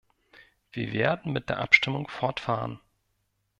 Wir werden mit der Abstimmung fortfahren.